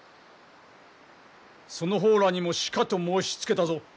その方らにもしかと申しつけたぞ！